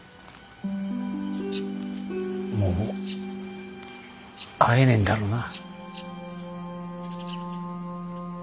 もう会えねえんだろうな。